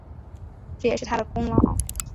这也是他的功劳